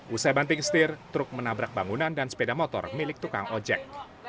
usai banting setir truk menabrak bangunan dan sepeda motor milik tukang ojek